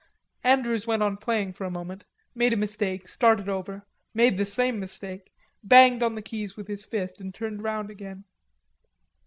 Andrews went on playing for a moment, made a mistake, started over, made the same mistake, banged on the keys with his fist and turned round again.